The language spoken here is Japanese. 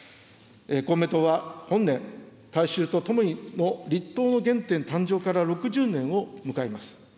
公明党は本年、大衆とともにの立党の原点誕生から６０年を迎えます。